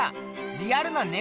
リアルなね